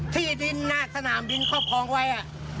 ที่ดินหน้าสนามบินครอบครองไว้